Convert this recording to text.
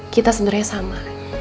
kita sebenernya sama